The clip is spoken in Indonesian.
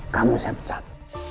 kamu saya pecat